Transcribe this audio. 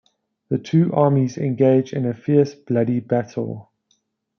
The two armies engage in a fierce, bloody battle.